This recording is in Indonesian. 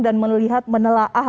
dan melihat menelaah